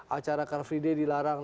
acara carl friede dilarang